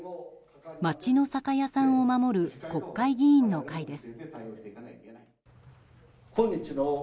街の酒屋さんを守る国会議員の会です。